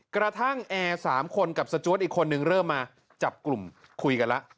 กระทั่งแอร์๓คนกับสจ๊วนอีกคนนึงเริ่มมาจับกลุ่มคุยกันละ